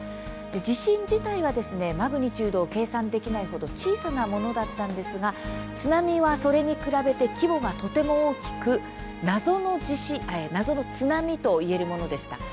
地震自体はマグニチュードを計算できない程小さなものだったのですが津波は、それに比べて規模がとても大きく「なぞの津波」といえるものでした。